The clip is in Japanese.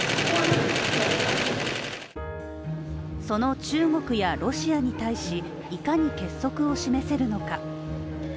その中国やロシアに対し、いかに結束を示せるのか。